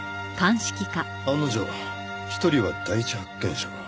案の定１人は第一発見者か。